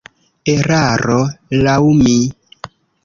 Eraro, laŭ mi.